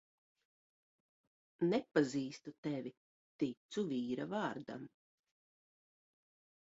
Nepazīstu tevi, ticu vīra vārdam.